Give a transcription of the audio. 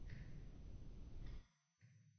El-yurt aza tutdi. Karnay-surnay chalindi.